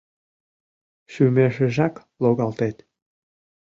Шӱмешыжак логалтет.